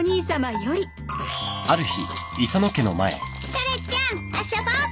タラちゃん遊ぼう。